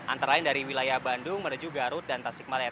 antara lain dari wilayah bandung menuju garut dan tasik malaya